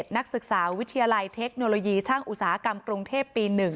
นักศึกษาวิทยาลัยเทคโนโลยีช่างอุตสาหกรรมกรุงเทพปี๑